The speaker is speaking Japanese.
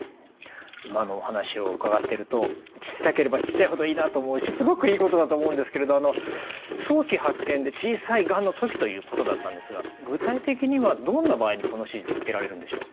今のお話を伺ってるとちっちゃければちっちゃいほどいいなと思うしすごくいいことだと思うんですけれど早期発見で小さいがんの時ということだったんですが具体的にはどんな場合にこの手術受けられるんでしょう？